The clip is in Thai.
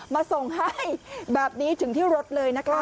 มาส่งให้แบบนี้ถึงที่รถเลยนะคะ